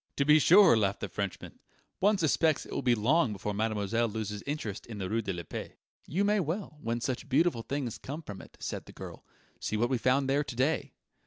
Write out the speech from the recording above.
"To be sure," laughed the Frenchman; "one suspects it will be long before mademoiselle loses interest in the rue de la Paix." "You may well, when such beautiful things come from it," said the girl. "See what we found there to day."